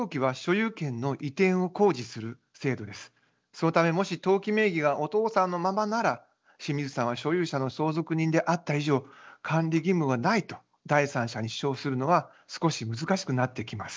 そのためもし登記名義がお父さんのままなら清水さんは所有者の相続人であった以上管理義務がないと第三者に主張するのは少し難しくなってきます。